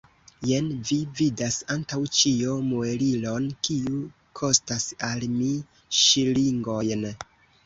Jen vi vidas antaŭ ĉio muelilon, kiu kostas al mi ŝilingojn.